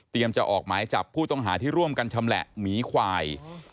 จะออกหมายจับผู้ต้องหาที่ร่วมกันชำแหละหมีควาย